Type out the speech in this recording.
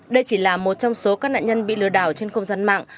đây chỉ là một trong số các nạn nhân bị lừa đảo trên không gian mạng